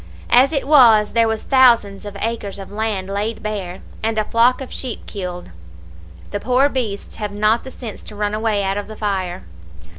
As it was, there was thousands of acres of land laid bare, and a flock of sheep killed; the poor beasts have not the sense to run away out of the fire.